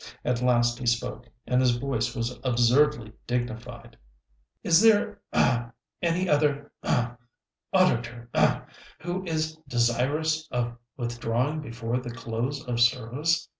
At last he spoke, and his voice was absurdly dignified: "Is there ah any other ah auditor ah who is desirous of withdrawing before the close of service?